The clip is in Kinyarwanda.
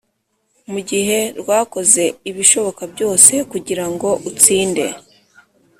Mu gihe rwakoze ibishoboka byose kugira ngo utsinde